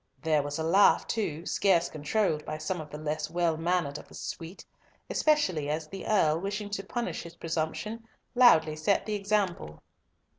There was a laugh too, scarce controlled by some of the less well mannered of the suite, especially as the Earl, wishing to punish his presumption, loudly set the example.